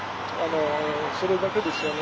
それだけですよね。